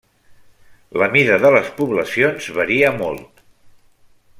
La mida de les poblacions varia molt.